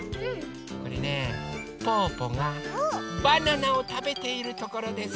これねぽぅぽがバナナをたべているところです。